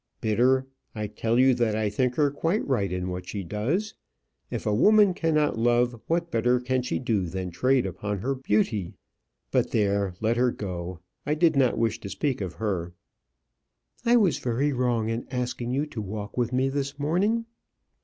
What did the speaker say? "Bitter! I tell you that I think her quite right in what she does. If a woman cannot love, what better can she do than trade upon her beauty? But, there; let her go; I did not wish to speak of her." "I was very wrong in asking you to walk with me this morning."